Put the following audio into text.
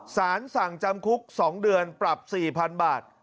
สารสั่งจำคลุกสองเดือนปรับสี่พันบาท